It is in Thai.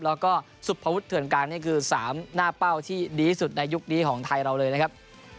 แล้วก็สุภวุฒเถื่อนกลางนี่คือ๓หน้าเป้าที่ดีที่สุดในยุคนี้ของไทยเราเลยนะครับ